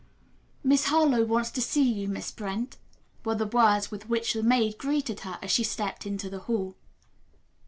"Miss Harlowe wants to see you, Miss Brent," were the words with which the maid greeted her as she stepped into the hall.